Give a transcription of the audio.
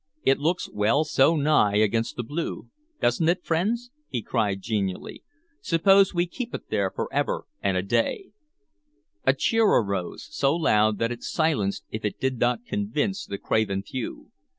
"It looks well so high against the blue, does n't it, friends?" he cried genially. "Suppose we keep it there forever and a day!" A cheer arose, so loud that it silenced, if it did not convince, the craven few.